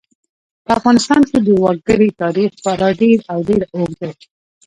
په افغانستان کې د وګړي تاریخ خورا ډېر او ډېر اوږد دی.